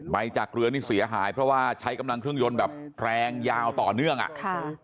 จากเรือนี่เสียหายเพราะว่าใช้กำลังเครื่องยนต์แบบแรงยาวต่อเนื่องอ่ะค่ะ